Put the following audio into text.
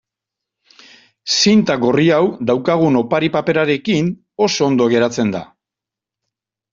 Zinta gorri hau daukagun opari-paperarekin oso ondo geratzen da.